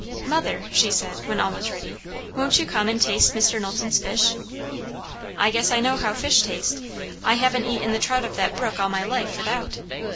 "Mother," she said, when all was ready, "won't you come and taste Mr. Knowlton's fish?" "I guess I know how fish taste. I haven't eaten the trout of that brook all my life, without."